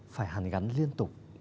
phải hàn gắn liên tục